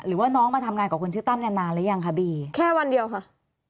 หรือว่าน้องมาทำงานกับคนชื่อตั้มเนี่ยนานหรือยังคะบีแค่วันเดียวค่ะ